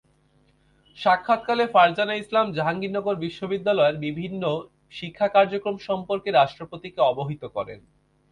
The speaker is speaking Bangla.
সাক্ষাৎকালে ফারজানা ইসলাম জাহাঙ্গীরনগর বিশ্ববিদ্যালয়ের বিভিন্ন শিক্ষা কার্যক্রম সম্পর্কে রাষ্ট্রপতিকে অবহিত করেন।